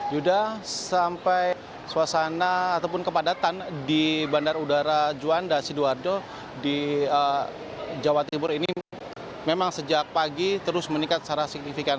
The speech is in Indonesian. yuda sampai suasana ataupun kepadatan di bandara udara juanda sidoarjo di jawa timur ini memang sejak pagi terus meningkat secara signifikan